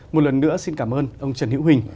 một lần nữa xin cảm ơn ông trần hữu huỳnh